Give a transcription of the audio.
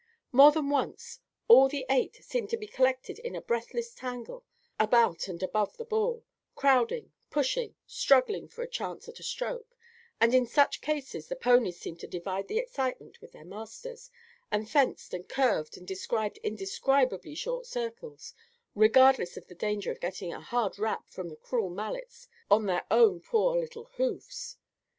More than once all the eight seemed to be collected in a breathless tangle about and above the ball, crowding, pushing, struggling for the chance at a stroke; and in such cases the ponies seemed to divide the excitement with their masters, and fenced and curved and described indescribably short circles, regardless of the danger of getting a hard rap from the cruel mallets on their own poor little hoofs.